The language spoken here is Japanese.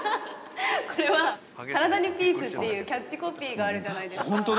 ◆これは、「カラダにピース」というキャッチコピーがあるじゃないですか。